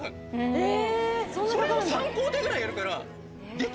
それを３工程ぐらいやるから。